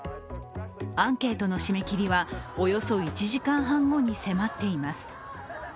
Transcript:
アンケートの締め切りはおよそ１時間半後に迫っています。